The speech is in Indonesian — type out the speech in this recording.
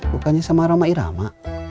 bukannya sama roma irama